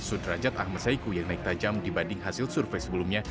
sudrajat ahmad saiku yang naik tajam dibanding hasil survei sebelumnya